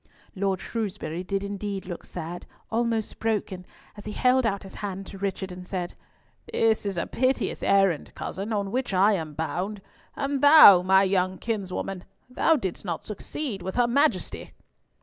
Lord Shrewsbury did indeed look sad, almost broken, as he held out his hand to Richard, and said, "This is a piteous errand, cousin, on which I am bound. And thou, my young kinswoman, thou didst not succeed with her Majesty!"